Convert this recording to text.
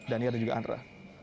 dan ini ada juga andra